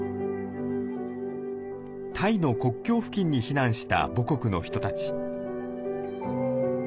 タイの国境付近に避難した母国の人たち。